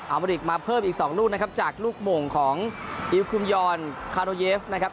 มาริกมาเพิ่มอีก๒ลูกนะครับจากลูกโมงของอิลคุมยอนคาโดเยฟนะครับ